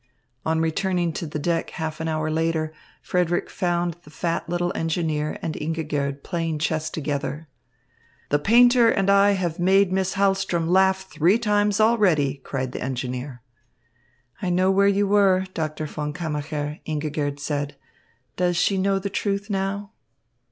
On returning to the deck half an hour later, Frederick found the fat little engineer and Ingigerd playing chess together. "The painter and I have made Miss Hahlström laugh three times already," cried the engineer. "I know where you were, Doctor von Kammacher," Ingigerd said. "Does she know the truth now?"